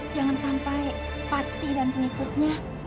jangan sampai pati dan pengikutnya